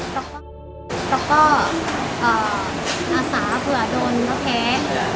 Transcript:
แล้วก็อาสาเผื่อโดนเขาแพ้